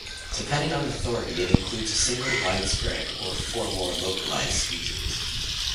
Depending on authority, it includes a single widespread, or four more localized species.